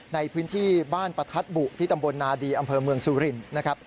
ในพื้นที่บ้านประทัดบุที่ตำบลนาดีอำเภอเมืองสุรินทร์นะครับ